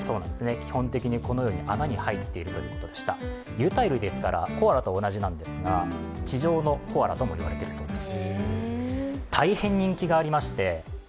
有袋類ですからコアラと同じなんですが、地上のコアラと言われているそうです。